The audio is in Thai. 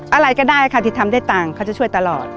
อะไรก็ได้ค่ะที่ทำได้ต่างเขาจะช่วยตลอด